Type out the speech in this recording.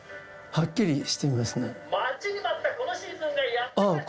待ちに待ったこのシーズンがやって来ました！